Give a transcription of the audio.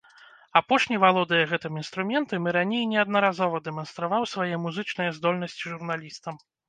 Апошні валодае гэтым інструментам, і раней неаднаразова дэманстраваў свае музычныя здольнасці журналістам.